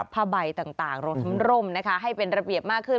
ภาบัยต่างโรงทำร่มให้เป็นระเบียบมากขึ้น